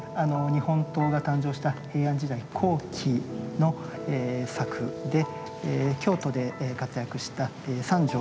日本刀が誕生した平安時代後期の作で京都で活躍した三条